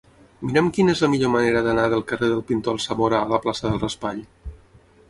Mira'm quina és la millor manera d'anar del carrer del Pintor Alsamora a la plaça del Raspall.